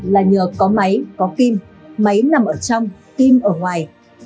là nhờ có máy có kim máy nằm ở trong kim ở ngoài